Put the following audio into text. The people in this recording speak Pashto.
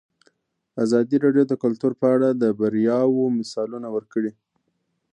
ازادي راډیو د کلتور په اړه د بریاوو مثالونه ورکړي.